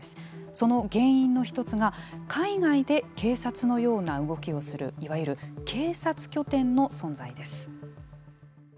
その原因の１つが海外で警察のような動きをするいわゆる警察拠点の存在です。